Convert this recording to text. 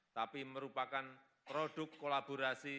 tapi merupakan produk kolaborasi